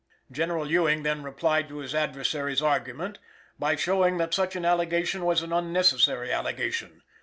General Ewing then replied to his adversary's argument by showing that such an allegation was an unnecessary allegation.